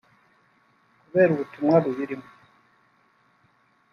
Kubera ubutumwa buyirimo